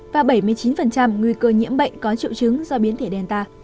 và bảy mươi chín nguy cơ nhiễm bệnh có triệu chứng do biến thể delta